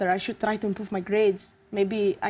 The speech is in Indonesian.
mungkin saya harus berusaha untuk meningkatkan kelas saya